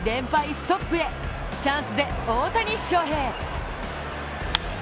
ストップへ、チャンスで大谷翔平。